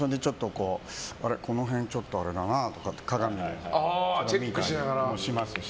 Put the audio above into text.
この辺ちょっとあれだなって鏡で見たりもしますし。